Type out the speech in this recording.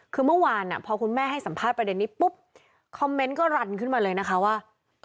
คือเมื่อวานพอคุณแม่ให้สัมภาษณ์ประเด็นนี้ปุ๊บคอมเมนต์ก็รันขึ้นมาเลยนะคะว่า